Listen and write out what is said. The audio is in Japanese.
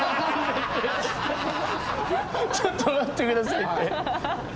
ちょっと待ってくださいって。